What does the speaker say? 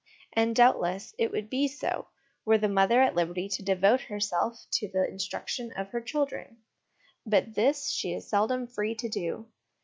And doubtless it would be so, were the mother at liberty to devote herself to the instruction of her children ; but this she is seldom free to do.